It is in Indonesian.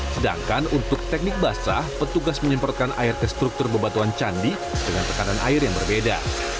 sedangkan untuk teknik basah petugas menyemprotkan air ke struktur bebatuan candi dengan tekanan air yang berbeda